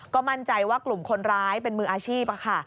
ก็มั่นใจว่ากลุ่มคนร้ายเป็นมืออาชีพค่ะ